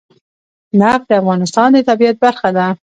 نفت د افغانستان د طبیعت برخه ده.